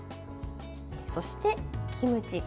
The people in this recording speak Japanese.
そして、キムチ。